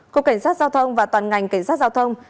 cục cảnh sát giao thông và toàn ngành cảnh sát giao thông